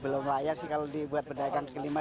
belum layak sih kalau dibuat pedagang kelima